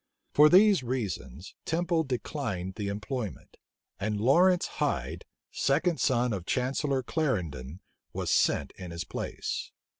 For these reasons, Temple declined the employment; and Lawrence Hyde, second son of Chancellor Clarendon, was sent in his place.